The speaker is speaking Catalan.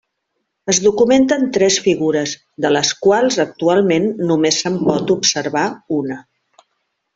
Es documenten tres figures de les quals actualment només se'n pot observar una.